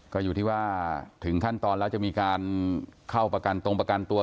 ก็อยู่ที่ว่าถึงขั้นตอนแล้วจะมีการเข้าประกันตรงประกันตัว